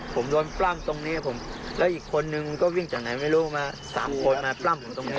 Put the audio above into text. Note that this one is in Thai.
ผมโดนปล้ำตรงนี้ผมแล้วอีกคนนึงก็วิ่งจากไหนไม่รู้มาสามคนมาปล้ำผมตรงนี้